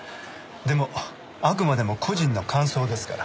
でもあくまでも個人の感想ですから。